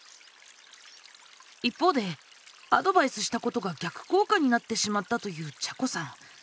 一方でアドバイスしたことが逆効果になってしまったというちゃこさん。